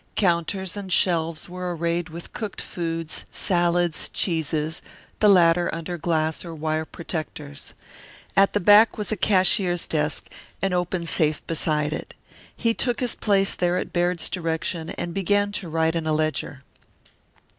Counters and shelves were arrayed with cooked foods, salads, cheeses, the latter under glass or wire protectors. At the back was a cashier's desk, an open safe beside it. He took his place there at Baird's direction and began to write in a ledger.